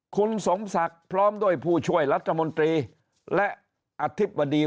คุณสมศักดิ์พร้อมด้วยผู้ช่วยรัฐมนตรีและอธิบดี